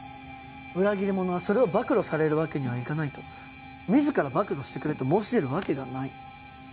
裏切り者はそれを暴露されるわけにはいかないから自ら暴露をしてくれと申し出るわけがない。